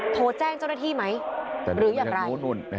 โทรแจ้งเจ้าหน้าที่ไหมหรืออย่างไร